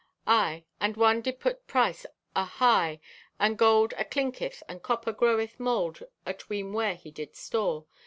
Aye, and one did put price ahigh, and gold aclinketh and copper groweth mold atween where he did store.